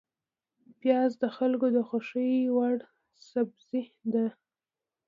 پیاز د خلکو د خوښې وړ سبزی ده